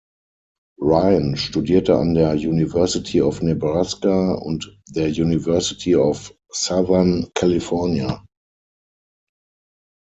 Ryan studierte an der University of Nebraska und der University of Southern California.